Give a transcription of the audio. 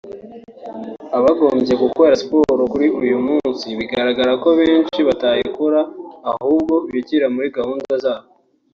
Abagombye gukora siporo kuri uyu munsi bigaragara ko benshi batayikora ahubwo bigira muri gahunda zabo